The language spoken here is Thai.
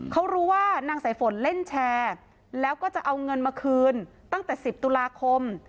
เขารู้ว่านางสายฝนเล่นแชร์แล้วก็จะเอาเงินมาคืนตั้งแต่๑๐ตุลาคม